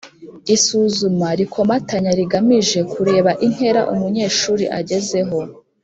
isuzuma rikomatanya rigamije kureba intera umunyeshuri agezeho